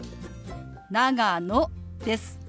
「長野」です。